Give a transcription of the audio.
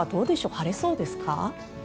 晴れそうですか？